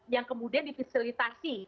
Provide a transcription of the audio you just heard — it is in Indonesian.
yang kemudian difisilitasi